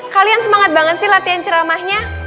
kalian semangat banget sih latihan ceramahnya